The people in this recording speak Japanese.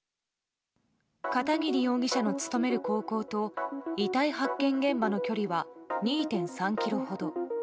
片桐容疑者の勤める高校と遺体発見現場の距離は２．３ｋｍほど。